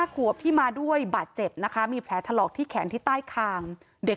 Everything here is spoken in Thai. ขวบที่มาด้วยบาดเจ็บนะคะมีแผลถลอกที่แขนที่ใต้คางเด็ก